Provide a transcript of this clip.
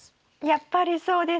やっぱりそうですよね。